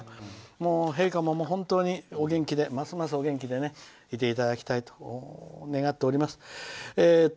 陛下も本当に、ますますお元気でいていただきたいと願っております。